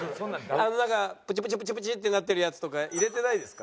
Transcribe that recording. あのなんかプチプチプチプチってなってるやつとか入れてないですか？